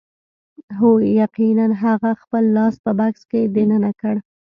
هو یقیناً هغه خپل لاس په بکس کې دننه کړ